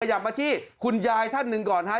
ประหยัดมาที่คุณยายท่านหนึ่งก่อนนะครับ